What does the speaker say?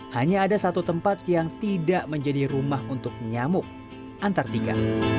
hanya ada satu tempat yang tidak menjadi rumah untuk nyamuk antartika